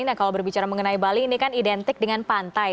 nah kalau berbicara mengenai bali ini kan identik dengan pantai